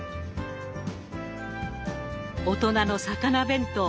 「大人の魚弁当」